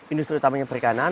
industri utamanya perikanan